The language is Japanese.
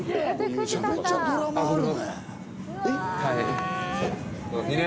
めちゃめちゃドラマあるね。